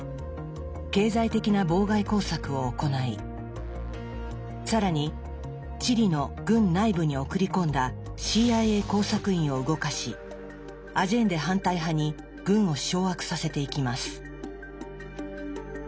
経済的な妨害工作を行い更にチリの軍内部に送り込んだＣＩＡ工作員を動かしアジェンデ反対派に軍を掌握させていきます。